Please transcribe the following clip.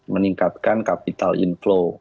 meningkatkan capital inflow